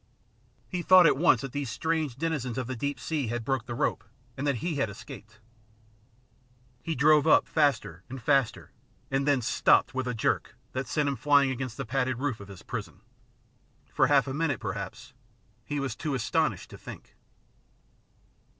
He thought at once that these strange denizens of the deep sea had broken the rope, and that he had escaped. He drove up faster and faster, and then stopped with a jerk that sent him flying against the padded roof of his prison. For half a minute, perhaps, he was too astonished to think.